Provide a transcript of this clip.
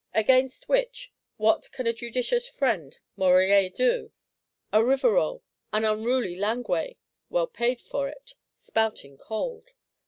Against which what can a judicious friend Morellet do; a Rivarol, an unruly Linguet (well paid for it),—spouting _cold!